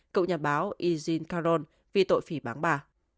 cựu nhà báo e jean caron vì tội phỉ báng bà